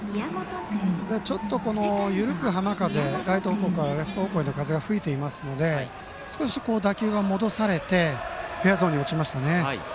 ちょっと緩く浜風ライト方向からレフト方向の風が吹いていますので少し打球が戻されてフェアゾーンに落ちましたね。